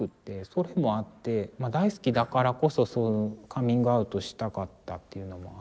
それもあって大好きだからこそカミングアウトしたかったっていうのもありました。